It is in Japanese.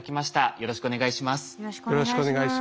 よろしくお願いします。